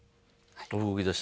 動きだした。